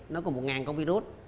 nó còn một nghìn con virus